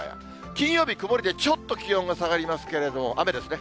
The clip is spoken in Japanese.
金曜日曇りで、ちょっと気温が下がりますけれども、雨ですね。